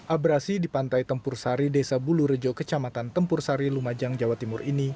abrasi di pantai tempur sari desa bulurejo kecamatan tempur sari lumajang jawa timur ini